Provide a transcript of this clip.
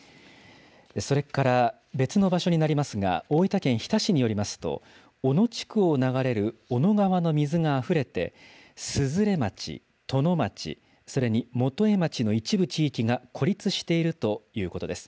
それから別の場所になりますが、大分県日田市によりますと、小野地区を流れる小野川の水があふれて、鈴連町、殿町、それに源栄町の一部地域が孤立しているということです。